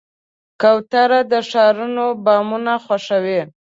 کوتره د ښارونو بامونه خوښوي.